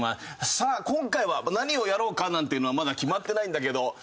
さあ今回は何をやろうかなんていうのはまだ決まってないんだけど。